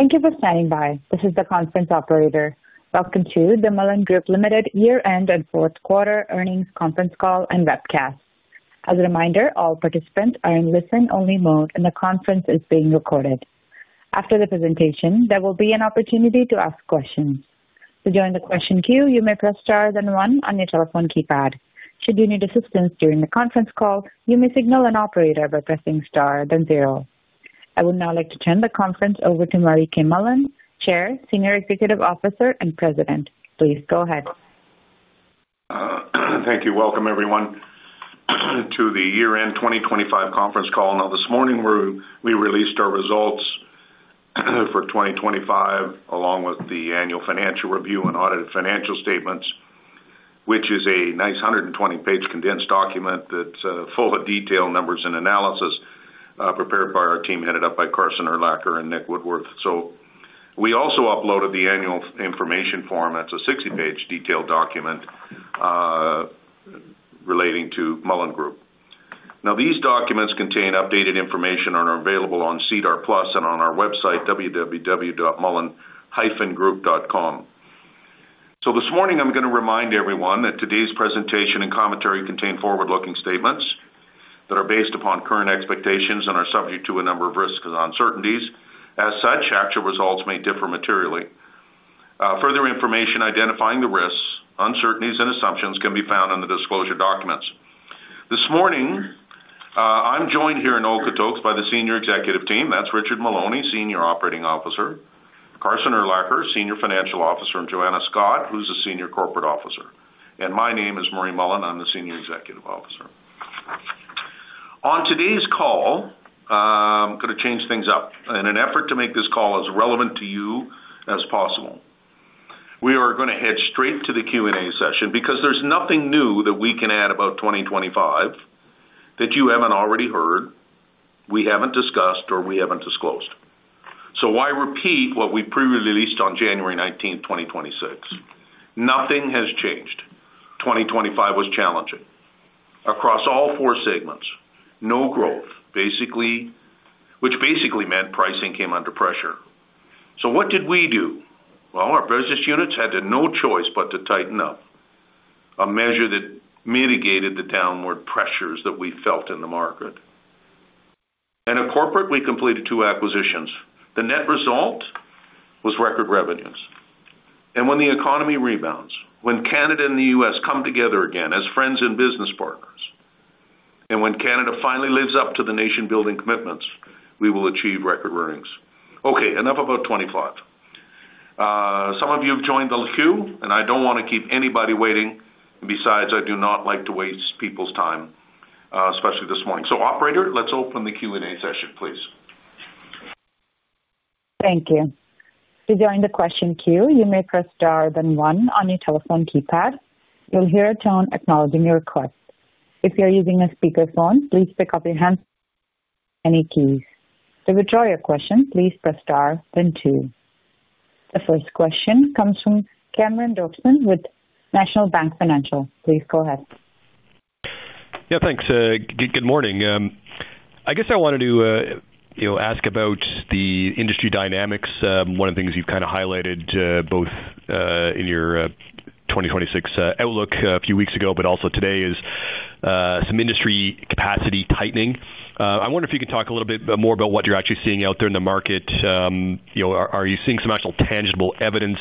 Thank you for standing by. This is the conference operator. Welcome to the Mullen Group Ltd. Year-End and Fourth Quarter Earnings Conference Call and Webcast. As a reminder, all participants are in listen-only mode, and the conference is being recorded. After the presentation, there will be an opportunity to ask questions. To join the question queue, you may press Star then One on your telephone keypad. Should you need assistance during the conference call, you may signal an operator by pressing Star then Zero. I would now like to turn the conference over to Murray K. Mullen, Chair, Senior Executive Officer, and President. Please go ahead. Thank you. Welcome, everyone, to the year-end 2025 conference call. Now, this morning, we released our results for 2025, along with the annual financial review and audited financial statements, which is a nice 120-page condensed document that's full of detail, numbers, and analysis, prepared by our team, headed up by Carson Urlacher and Nick Woodworth. So, we also uploaded the annual information form. That's a 60-page detailed document relating to Mullen Group. Now, these documents contain updated information and are available on SEDAR+ and on our website, www.mullen-group.com. So, this morning, I'm gonna remind everyone that today's presentation and commentary contain forward-looking statements that are based upon current expectations and are subject to a number of risks and uncertainties. As such, actual results may differ materially. Further information identifying the risks, uncertainties, and assumptions can be found in the disclosure documents. This morning, I'm joined here in Okotoks by the senior executive team. That's Richard Maloney, Senior Operating Officer, Carson Urlacher, Senior Financial Officer, and Joanna Scott, who's a Senior Corporate Officer. My name is Murray Mullen. I'm the Senior Executive Officer. On today's call, gonna change things up. In an effort to make this call as relevant to you as possible, we are gonna head straight to the Q&A session because there's nothing new that we can add about 2025 that you haven't already heard, we haven't discussed, or we haven't disclosed. So, why repeat what we pre-released on January 19th, 2026? Nothing has changed. 2025 was challenging. Across all four segments, no growth, basically... Which basically meant pricing came under pressure. So, what did we do? Well, our business units had no choice but to tighten up, a measure that mitigated the downward pressures that we felt in the market. At corporate, we completed two acquisitions. The net result was record revenues. When the economy rebounds, when Canada and the U.S. come together again as friends and business partners, and when Canada finally lives up to the nation-building commitments, we will achieve record earnings. Okay, enough about 2025. Some of you have joined the queue, and I don't want to keep anybody waiting. Besides, I do not like to waste people's time, especially this morning. So operator, let's open the Q&A session, please. Thank you. To join the question queue, you may press Star, then One on your telephone keypad. You'll hear a tone acknowledging your request. If you're using a speakerphone, please pick up the handset and any keys. To withdraw your question, please press Star, then Two. The first question comes from Cameron Doerksen with National Bank Financial. Please go ahead. Yeah, thanks. Good morning. I guess I wanted to, you know, ask about the industry dynamics. One of the things you've kind of highlighted, both, in your 2026 outlook a few weeks ago, but also today, is some industry capacity tightening. I wonder if you could talk a little bit more about what you're actually seeing out there in the market. You know, are, are you seeing some actual tangible evidence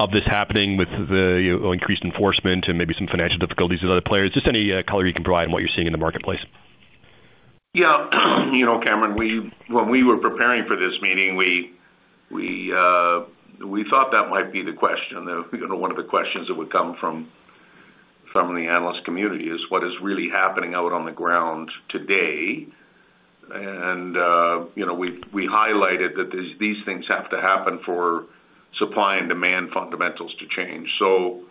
of this happening with the, you know, increased enforcement and maybe some financial difficulties with other players? Just any color you can provide on what you're seeing in the marketplace. Yeah. You know, Cameron, we, when we were preparing for this meeting, we, we, we thought that might be the question. You know, one of the questions that would come from, from the analyst community is, what is really happening out on the ground today? And, you know, we, we highlighted that these, these things have to happen for supply and demand fundamentals to change. So,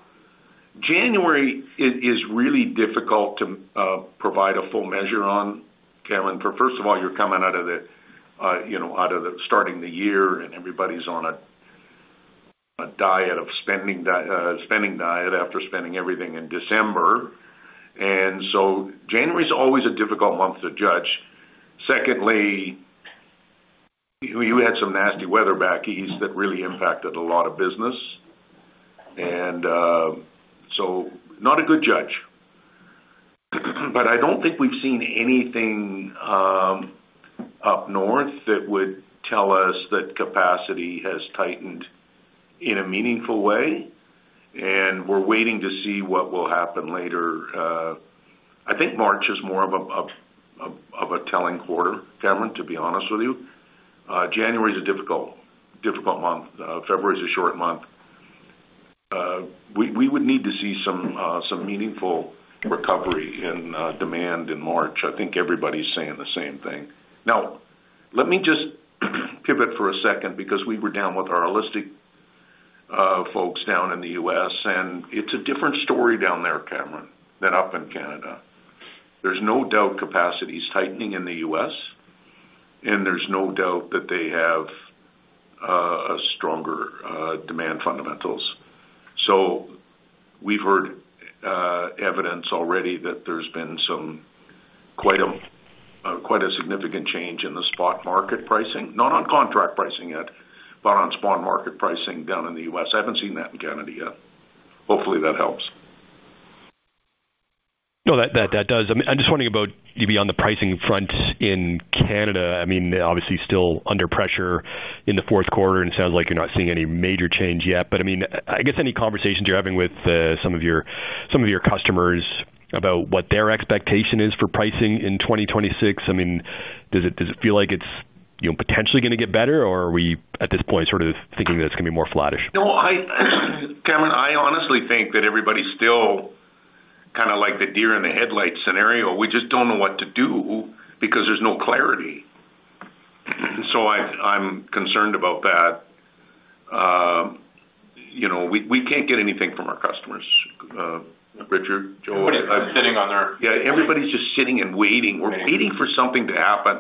January is, is really difficult to, provide a full measure on, Cameron, for, first of all, you're coming out of the, you know, out of starting the year, and everybody's on a, a spending diet after spending everything in December. And so January is always a difficult month to judge. Secondly, you had some nasty weather back east that really impacted a lot of business, and, so not a good judge. But I don't think we've seen anything up north that would tell us that capacity has tightened in a meaningful way, and we're waiting to see what will happen later. I think March is more of a telling quarter, Cameron, to be honest with you. January is a difficult month. February is a short month. We would need to see some meaningful recovery in demand in March. I think everybody's saying the same thing. Now, let me just pivot for a second because we were down with our logistics folks down in the U.S., and it's a different story down there, Cameron, than up in Canada. There's no doubt capacity is tightening in the U.S., and there's no doubt that they have a stronger demand fundamental. So-... We've heard, evidence already that there's been some quite a, quite a significant change in the spot market pricing, not on contract pricing yet, but on spot market pricing down in the U.S. I haven't seen that in Canada yet. Hopefully, that helps. No, that does. I'm just wondering about maybe on the pricing front in Canada, I mean, obviously still under pressure in the fourth quarter, and it sounds like you're not seeing any major change yet. But, I mean, I guess any conversations you're having with some of your customers about what their expectation is for pricing in 2026, I mean, does it feel like it's, you know, potentially gonna get better, or are we, at this point, sort of thinking that it's gonna be more flattish? No, I, Cameron, I honestly think that everybody's still kind of like the deer in the headlights scenario. We just don't know what to do because there's no clarity. So, I'm concerned about that. You know, we can't get anything from our customers. Richard, Joe- Everybody's sitting on their- Yeah, everybody's just sitting and waiting. We're waiting for something to happen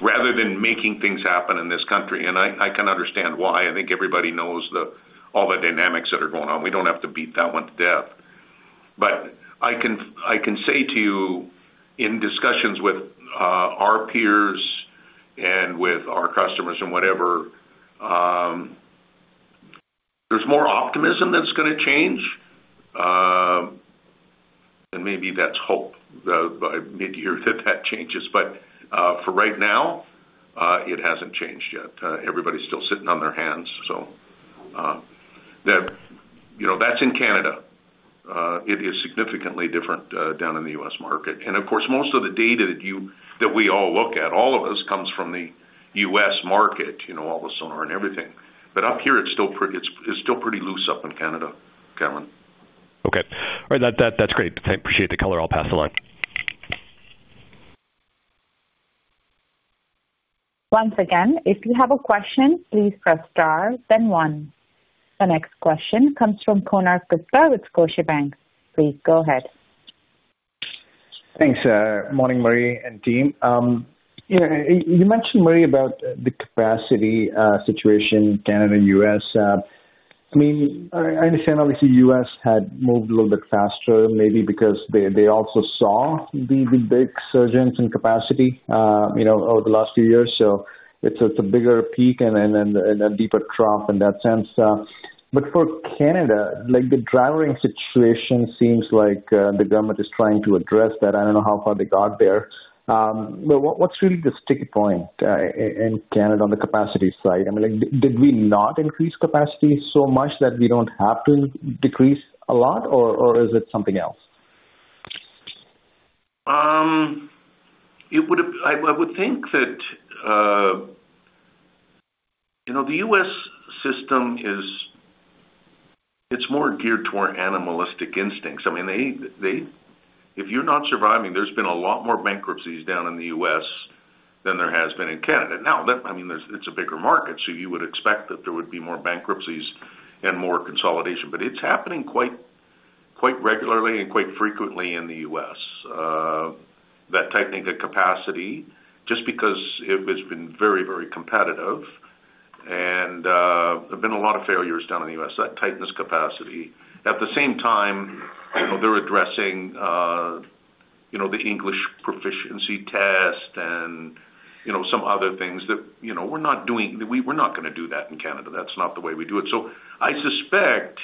rather than making things happen in this country, and I can understand why. I think everybody knows the- all the dynamics that are going on. We don't have to beat that one to death. But I can say to you, in discussions with our peers and with our customers and whatever, there's more optimism that's gonna change. And maybe that's hope, the, but maybe hear that that changes. But for right now, it hasn't changed yet. Everybody's still sitting on their hands. You know, that's in Canada. It is significantly different down in the U.S. market. And of course, most of the data that we all look at, all of this comes from the U.S. market, you know, all the Sonar and everything. But up here, it's still pretty loose up in Canada, Cameron. Okay. All right, that's great. I appreciate the color. I'll pass along. Once again, if you have a question, please press star, then one. The next question comes from Konark Gupta with Scotiabank. Please go ahead. Thanks, Morning, Murray and team. Yeah, you mentioned, Murray, about the capacity situation in Canada and U.S. I mean, I understand obviously, U.S. had moved a little bit faster, maybe because they also saw the big surges in capacity, you know, over the last few years. So, it's a bigger peak and then a deeper trough in that sense. But for Canada, like, the driver situation seems like the government is trying to address that. I don't know how far they got there. But what's really the sticking point in Canada on the capacity side? I mean, like, did we not increase capacity so much that we don't have to decrease a lot, or is it something else? It would have. I would think that, you know, the U.S. system is, it's more geared toward animalistic instincts. I mean, they. If you're not surviving, there's been a lot more bankruptcies down in the U.S. than there has been in Canada. Now, that, I mean, there's. It's a bigger market, so you would expect that there would be more bankruptcies and more consolidation, but it's happening quiet, quite regularly and quite frequently in the U.S. That tightening the capacity, just because it has been very, very competitive, and there have been a lot of failures down in the U.S., that tightness capacity. At the same time, you know, they're addressing, you know, the English proficiency test and, you know, some other things that, you know, we're not doing. We're not gonna do that in Canada. That's not the way we do it. So I suspect,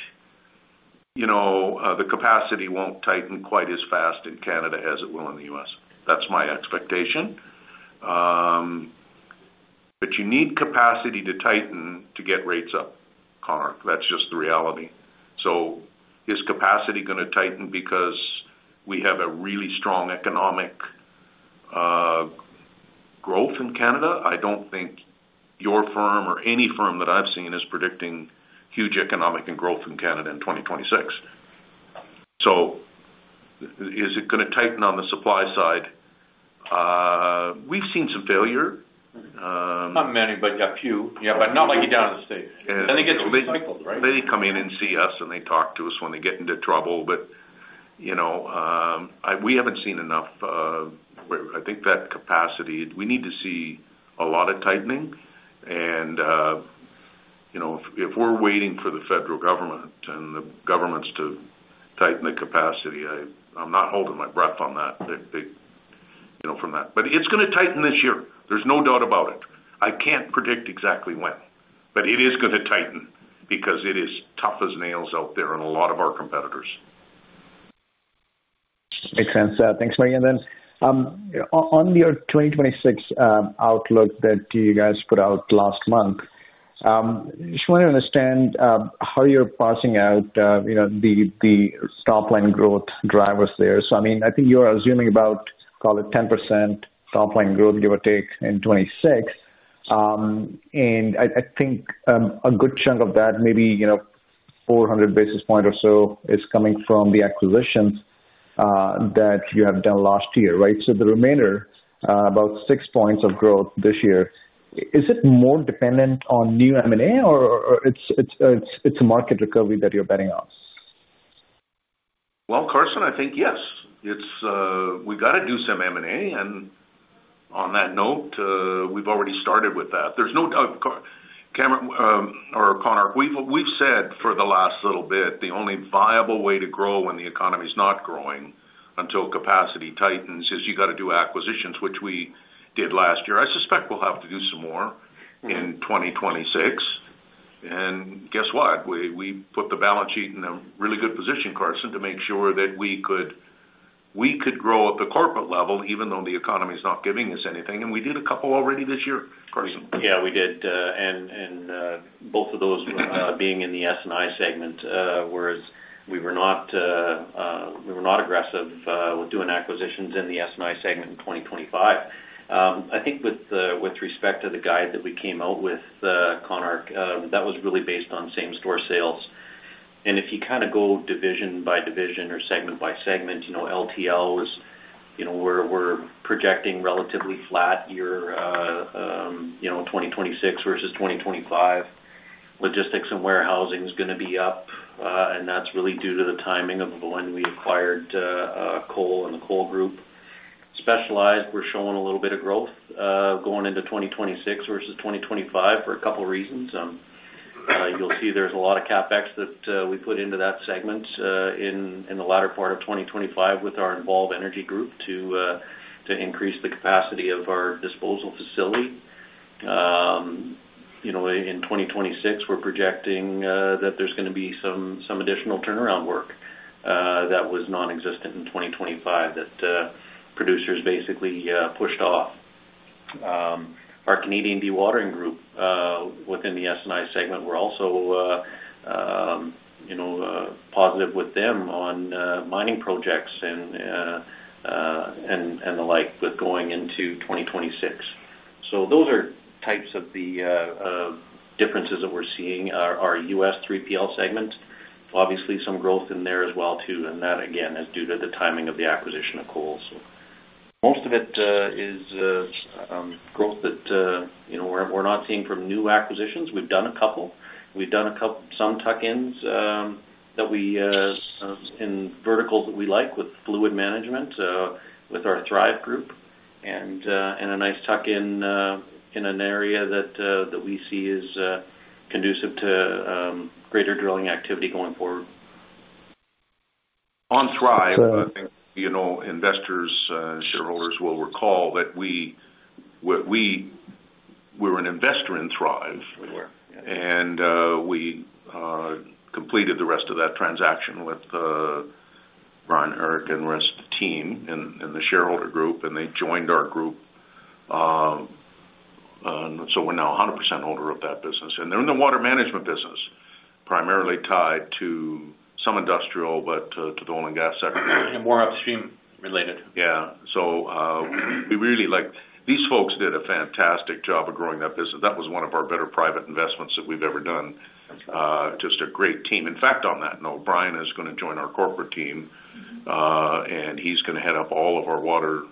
you know, the capacity won't tighten quite as fast in Canada as it will in the U.S. That's my expectation. But you need capacity to tighten to get rates up, Konark. That's just the reality. So, is capacity gonna tighten because we have a really strong economic growth in Canada? I don't think your firm or any firm that I've seen is predicting huge economic and growth in Canada in 2026. So, is it gonna tighten on the supply side? We've seen some failure. Not many, but a few. Yeah, but not like you down in the States. Then it gets recycled, right? They come in and see us, and they talk to us when they get into trouble. But, you know, we haven't seen enough. I think that capacity, we need to see a lot of tightening, and you know, if we're waiting for the federal government and the governments to tighten the capacity, I'm not holding my breath on that, they you know from that. But it's gonna tighten this year. There's no doubt about it. I can't predict exactly when, but it is gonna tighten because it is tough as nails out there on a lot of our competitors. Makes sense. Thanks, Murray. And then, on your 2026 outlook that you guys put out last month, just want to understand how you're parsing out, you know, the top-line growth drivers there. So, I mean, I think you are assuming about, call it 10% top line growth, give or take, in 2026. And I think a good chunk of that maybe, you know, 400 basis points or so, is coming from the acquisitions that you have done last year, right? So, the remainder about 6 points of growth this year, is it more dependent on new M&A or it's a market recovery that you're betting on?... Well, Carson, I think, yes, it's, we've got to do some M&A, and on that note, we've already started with that. There's no, Cameron, or Konark, we've, we've said for the last little bit, the only viable way to grow when the economy is not growing until capacity tightens, is you got to do acquisitions, which we did last year. I suspect we'll have to do some more in 2026. And guess what? We, we put the balance sheet in a really good position, Carson, to make sure that we could, we could grow at the corporate level, even though the economy is not giving us anything, and we did a couple already this year, Carson. Yeah, we did, and both of those were being in the S&I segment, whereas we were not aggressive with doing acquisitions in the S&I segment in 2025. I think with respect to the guide that we came out with, Konark, that was really based on same-store sales. And if you kind of go division by division or segment by segment, you know, LTL is, you know, we're projecting relatively flat year, you know, 2026 versus 2025. Logistics and warehousing is gonna be up, and that's really due to the timing of when we acquired Cole and the Cole Group. Specialized, we're showing a little bit of growth going into 2026 versus 2025 for a couple of reasons. You'll see there's a lot of CapEx that we put into that segment in the latter part of 2025 with our Envolve Energy group to increase the capacity of our disposal facility. You know, in 2026, we're projecting that there's gonna be some additional turnaround work that was nonexistent in 2025, that producers basically pushed off. Our Canadian Dewatering group within the S&I segment, we're also you know positive with them on mining projects and the like, with going into 2026. So, those are types of the differences that we're seeing. Our US 3PL segment, obviously some growth in there as well, too, and that again is due to the timing of the acquisition of Cole. So most of it is growth that you know we're not seeing from new acquisitions. We've done a couple. We've done some tuck-ins that we in verticals that we like with fluid management with our Thrive group, and a nice tuck-in in an area that we see is conducive to greater drilling activity going forward. On Thrive, I think, you know, investors, shareholders will recall that we were an investor in Thrive. We were. We completed the rest of that transaction with Brian, Eric, and rest team and the shareholder group, and they joined our group. So, we're now 100% holder of that business, and they're in the water management business, primarily tied to some industrial, but to the oil and gas sector. More upstream related. Yeah. So, we really like... These folks did a fantastic job of growing that business. That was one of our better private investments that we've ever done. That's right. Just a great team. In fact, on that note, Brian is gonna join our corporate team, and he's gonna head up all of our water,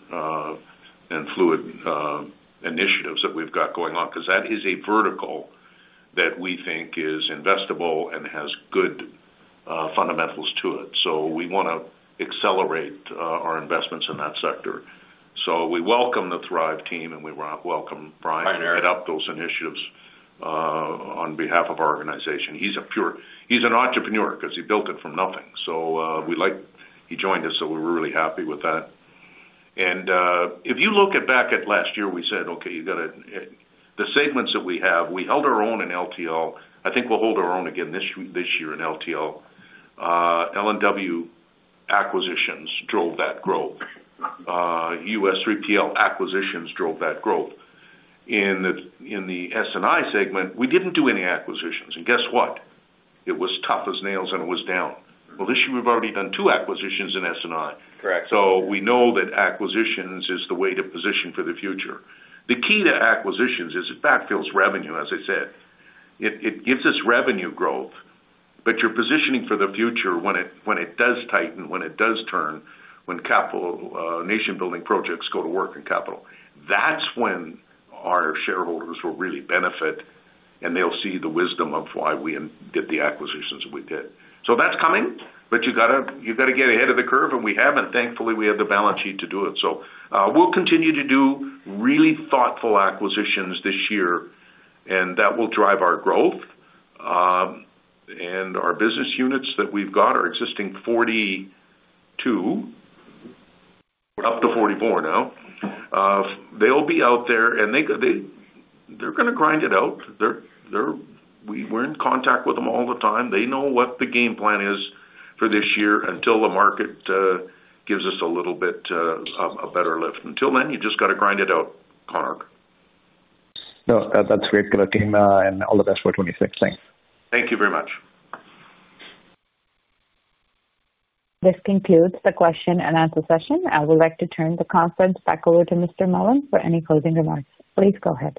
and fluid, initiatives that we've got going on, 'cause that is a vertical that we think is investable and has good, fundamentals to it. So we wanna accelerate, our investments in that sector. So we welcome the Thrive team, and we welcome Brian- Brian, yeah. To head up those initiatives on behalf of our organization. He's a pure entrepreneur because he built it from nothing. So, we like, he joined us, so we were really happy with that. If you look back at last year, we said: Okay, you got to... The segments that we have, we held our own in LTL. I think we'll hold our own again this year in LTL. L&W acquisitions drove that growth. US 3PL acquisitions drove that growth. In the S&I segment; we didn't do any acquisitions. And guess what? It was tough as nails, and it was down. Well, this year, we've already done two acquisitions in S&I. Correct. So, we know that acquisitions is the way to position for the future. The key to acquisitions is it backfills revenue, as I said. It, it gives us revenue growth, but you're positioning for the future when it, when it does tighten, when it does turn, when capital, nation-building projects go to work in capital. That's when our shareholders will really benefit, and they'll see the wisdom of why we did the acquisitions that we did. So that's coming, but you gotta, you gotta get ahead of the curve, and we have, and thankfully, we have the balance sheet to do it. So, we'll continue to do really thoughtful acquisitions this year, and that will drive our growth. And our business units that we've got, our existing 42, up to 44 now, they'll be out there, and they, they, they're gonna grind it out. They're in contact with them all the time. They know what the game plan is for this year until the market gives us a little bit a better lift. Until then, you just gotta grind it out, Konark. No, that, that's great, good team, and all the best for 2026. Thanks. Thank you very much. This concludes the question-and-answer session. I would like to turn the conference back over to Mr. Mullen for any closing remarks. Please go ahead.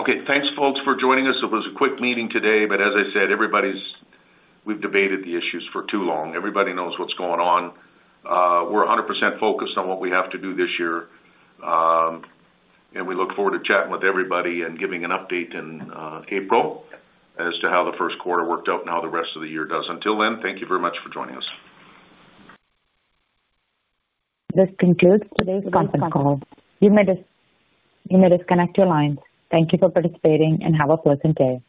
Okay, thanks, folks, for joining us. It was a quick meeting today, but as I said, everybody's—we've debated the issues for too long. Everybody knows what's going on. We're 100% focused on what we have to do this year, and we look forward to chatting with everybody and giving an update in April as to how the first quarter worked out and how the rest of the year does. Until then, thank you very much for joining us. This concludes today's conference call. You may disconnect your lines. Thank you for participating and have a pleasant day.